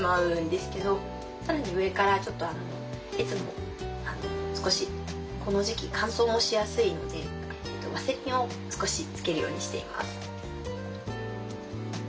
更に上からこの時期乾燥もしやすいのでワセリンを少しつけるようにしています。